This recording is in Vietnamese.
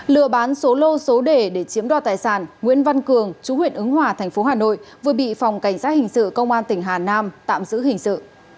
lừa bán số lô số đề để chiếm đo tài sản nguyễn văn cường chú huyện ứng hòa thành phố hà nội vừa bị phòng cảnh sát hình sự công an tỉnh hà nam tạm giữ hình sự